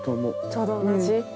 ちょうど同じ？